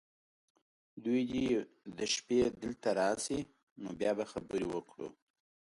دوی دې شپې دلته راشي ، نو بیا به خبرې وکړو .